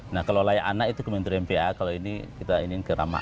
nah kalau layak anak itu kementerian pa kalau ini kita ingin ke ramah